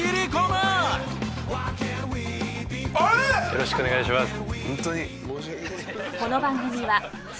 よろしくお願いします。